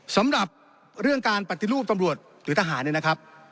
สำหรับเรื่องการปฏิรูปตำรวจหรือทหารเนี่ยนะครับ